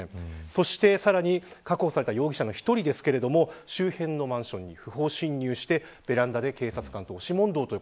そして、過去に確保された容疑者の１人ですが周辺のマンションに不法侵入してベランダで警察官と押し問答。